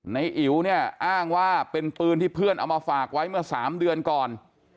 อิ๋วเนี่ยอ้างว่าเป็นปืนที่เพื่อนเอามาฝากไว้เมื่อ๓เดือนก่อน